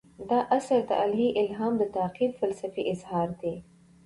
دا اثر د الهي الهام د تعقیب فلسفي اظهار دی.